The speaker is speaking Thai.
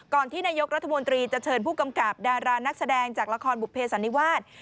ที่นายกรัฐมนตรีจะเชิญผู้กำกับดารานักแสดงจากละครบุภเสันนิวาส